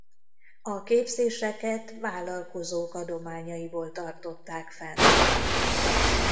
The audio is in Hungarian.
A képzéseket vállalkozók adományaiból tartottak fent.